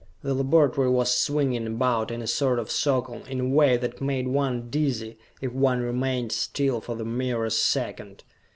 The laboratory was swinging about in a sort of circle in a way that made one dizzy if one remained still for the merest second.